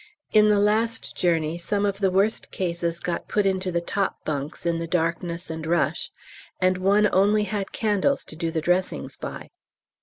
In the last journey some of the worst cases got put into the top bunks, in the darkness and rush, and one only had candles to do the dressings by.